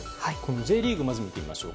Ｊリーグをまず見てましょう。